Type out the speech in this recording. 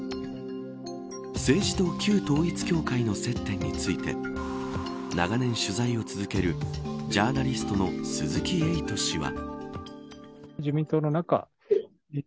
政治と旧統一教会の接点について長年取材を続けるジャーナリストの鈴木エイト氏は。